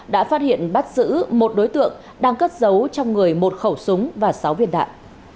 đã phát hiện bắt giữ một đối tượng đang cất giấu trong người một khẩu súng và sáu viên đạn